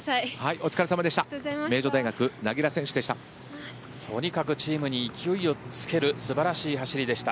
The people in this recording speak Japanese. お疲れさまでした。